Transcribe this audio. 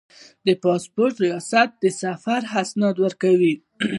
د پاسپورت ریاست د سفر اسناد ورکوي